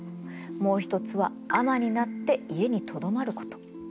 もう一つは尼になって家にとどまること。